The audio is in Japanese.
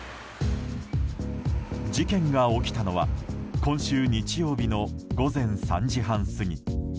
事件が起きたのは今週日曜日の午前３時半過ぎ。